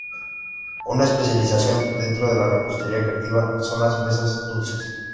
Una especialización dentro de la repostería creativa son las mesas dulces.